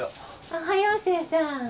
おはよう清さん。